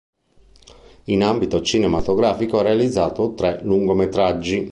In ambito cinematografico ha realizzato tre lungometraggi.